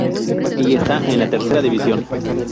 Y está en la tercera división.